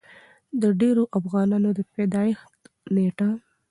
د ډېرو افغانانو د پېدايښت نيټه